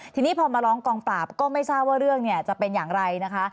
ทีนี้พอมาร้องกองปราบก็ไม่ทราบว่าเรื่องเนี่ยจะเป็นอย่างไรนะคะ